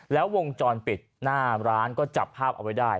แล้ววงจรปิดหน้าร้านก็จับภาพเอาไว้ได้